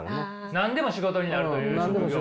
何でも仕事になるという職業。